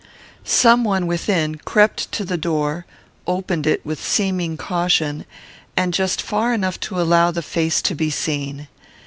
Some one within crept to the door, opened it with seeming caution, and just far enough to allow the face to be seen.